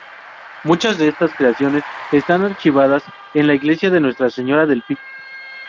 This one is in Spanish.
Muchas de estas creaciones están archivadas en la iglesia de Nuestra Señora del Pi.